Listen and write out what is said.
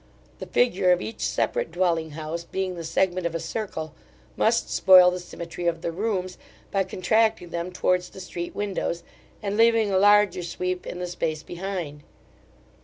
The figure of each separate dwelling house, being the segment of a circle, must spoil the symmetry of the rooms, by contracting them towards the street windows, and leaving a larger sweep in the space behind.